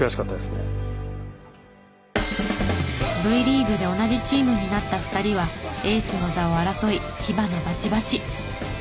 Ｖリーグで同じチームになった２人はエースの座を争い火花バチバチ。